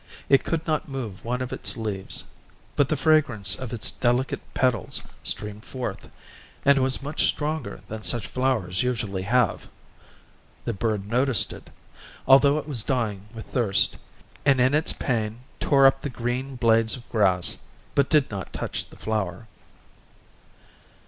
It could not move one of its leaves, but the fragrance of its delicate petals streamed forth, and was much stronger than such flowers usually have: the bird noticed it, although it was dying with thirst, and in its pain tore up the green blades of grass, but did not touch the flower.